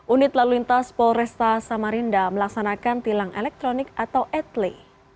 unit lalu lintas polresta samarinda melaksanakan tilang elektronik atau etle